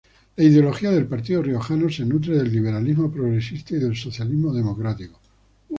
La ideología del Partido Riojano se nutre del liberalismo progresista y del socialismo democrático.